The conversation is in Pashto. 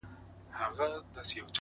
• مرگ دی که ژوند دی؛